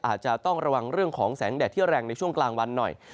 อาจจะต้องระวังเรื่องของแสงแดดที่แรงในช่วงกลางวันหน่อย